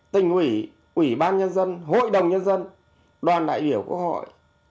tỉnh ủy ủy ban nhân dân hội đồng nhân dân đoàn đại biểu của cấp ủy